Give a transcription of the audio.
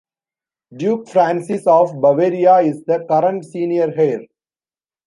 Duke Francis of Bavaria is the current senior heir.